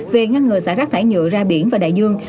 về ngăn ngừa sả rác thải nhựa ra biển và đại dương